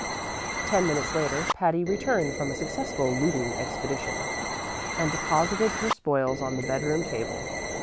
Ten minutes later Patty returned from a successful looting expedition, and deposited her spoils on the bedroom table.